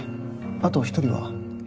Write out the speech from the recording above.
あと１人は？